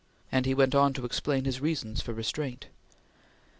and he went on to explain his reasons for restraint.